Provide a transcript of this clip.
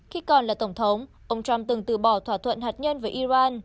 khi còn là tổng thống ông trump từng từ bỏ thỏa thuận hạt nhân với iran